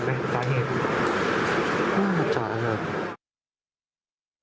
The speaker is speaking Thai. อาจจะนะครับ